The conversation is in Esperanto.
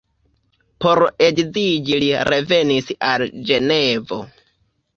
Por edziĝi li revenis al Ĝenevo.